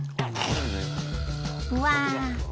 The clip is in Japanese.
うわ！